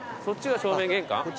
そっちが正面玄関。